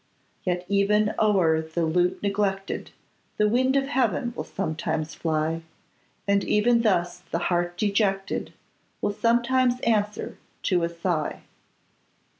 Yet even o'er the lute neglected The wind of heaven will sometimes fly, And even thus the heart dejected, Will sometimes answer to a sigh!